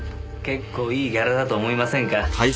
結構いいギャラだと思いませんか？